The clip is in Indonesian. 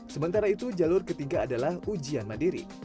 sementara itu jalur ketiga adalah ujian mandiri